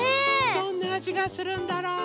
どんなあじがするんだろう？